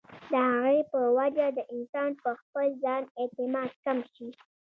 د هغې پۀ وجه د انسان پۀ خپل ځان اعتماد کم شي